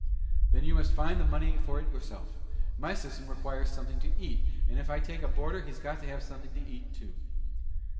"Then you must find the money for it yourself. My system requires something to eat, and, ef I take a boarder, he's got to have something to eat, too."